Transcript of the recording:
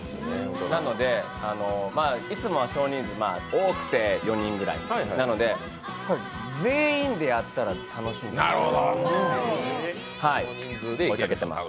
なので、いつもは少人数多くて４人ぐらいなので全員でやったら楽しいんじゃないかと、追いかけてます。